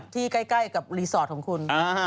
ใกล้กับรีสอร์ทของคุณ